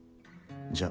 じゃ。